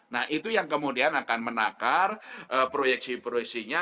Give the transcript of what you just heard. nah itu yang kemudian akan menakar proyeksi proyeksinya